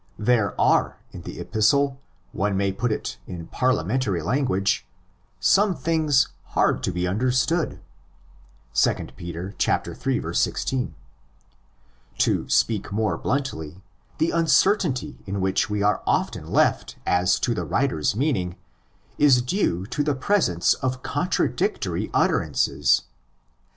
There are in the Epistle, one may put it in parliamentary language, some things hard to be understood (ἐστὶ δυσνόητά τινα, 2 Peter iii. 16). To speak more WHENCE CAME THE EPISTLE ? 121 bluntly, the uncertainty in which we are often left as to the writer's meaning is due to the presence of con tradictory utterances.